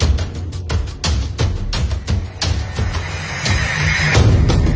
แล้วก็พอเล่ากับเขาก็คอยจับอย่างนี้ครับ